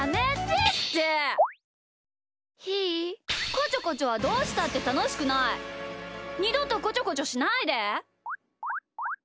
こちょこちょはどうしたってたのしくない！にどとこちょこちょしないで！